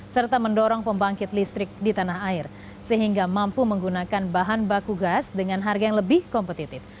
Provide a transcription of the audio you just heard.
serta mendorong pembangkit listrik di tanah air sehingga mampu menggunakan bahan baku gas dengan harga yang lebih kompetitif